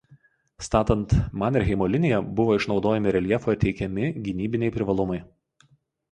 Statant Manerheimo liniją buvo išnaudojami reljefo teikiami gynybiniai privalumai.